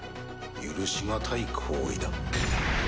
許し難い行為だ。